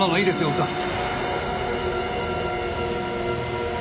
奥さん。